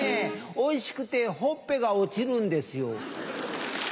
おいしくてほっぺが落ちるんですよ。